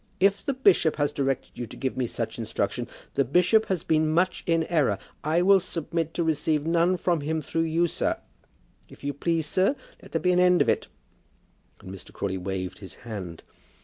"If the bishop has directed you to give me such instruction, the bishop has been much in error. I will submit to receive none from him through you, sir. If you please, sir, let there be an end of it;" and Mr. Crawley waved his hand.